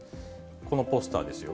このポスターですよ。